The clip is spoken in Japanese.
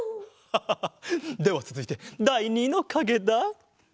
ハハハではつづいてだい２のかげだ。